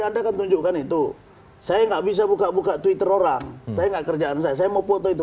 ada ketujuh kan itu saya nggak bisa buka buka twitter orang saya kerjaan saya mau foto itu